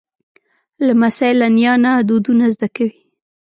لمسی له نیا نه دودونه زده کوي.